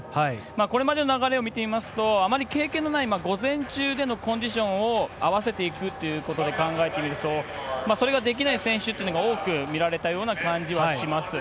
これまでの流れを見てみますと、あまり経験のない午前中でのコンディションを合わせていくっていうことで考えてみると、それができない選手というのが多く見られたような感じはします。